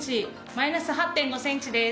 マイナス８．５センチです。